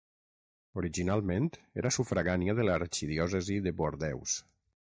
Originalment era sufragània de l'arxidiòcesi de Bordeus.